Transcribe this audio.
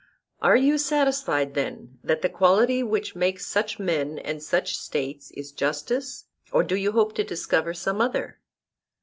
Are you satisfied then that the quality which makes such men and such states is justice, or do you hope to discover some other?